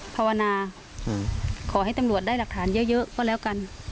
ภาวนาขอให้ตำรวจได้หลักฐานเยอะก็แล้วกัน